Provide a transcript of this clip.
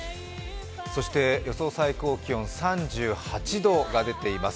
そして予想最高気温３８度が出ています